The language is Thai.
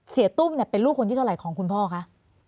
เสียตุ้มเนี่ยเป็นลูกคนที่เท่าไหร่ของคุณพ่อคะ